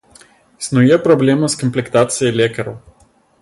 Існуе праблема з камплектацыяй лекараў.